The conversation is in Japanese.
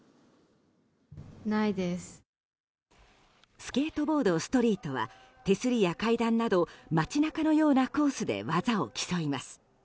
スケートボードストリートは手すりや階段など街中のようなコースで技を競います。